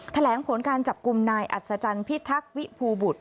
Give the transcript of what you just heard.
แถลงผลการจับกลุ่มนายอัศจรรย์พิทักษ์วิภูบุตร